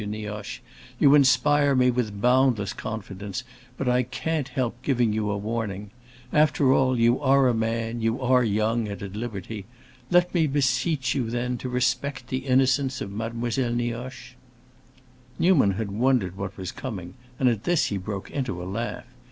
Nioche. "You inspire me with boundless confidence, but I can't help giving you a warning. After all, you are a man, you are young and at liberty. Let me beseech you, then, to respect the innocence of Mademoiselle Nioche!" Newman had wondered what was coming, and at this he broke into a laugh.